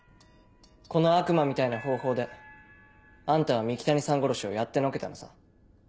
この悪魔みたいな方法であんたは三鬼谷さん殺しをやってのけたのさ。